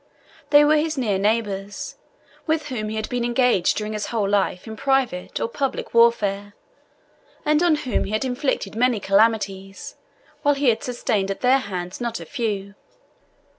They were his near neighbours, with whom he had been engaged during his whole life in private or public warfare, and on whom he had inflicted many calamities, while he had sustained at their hands not a few.